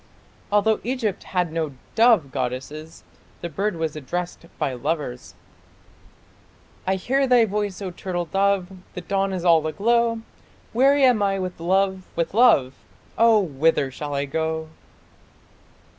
Although Egypt had no dove goddess, the bird was addressed by lovers I hear thy voice, O turtle dove The dawn is all aglow Weary am I with love, with love, Oh, whither shall I go?